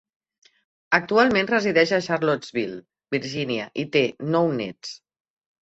Actualment resideix a Charlottesville, Virginia i té nou néts.